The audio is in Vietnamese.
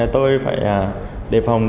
tôi phải đề phòng